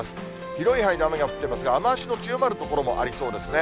広い範囲で雨が降ってますが、雨足の強まる所もありそうですね。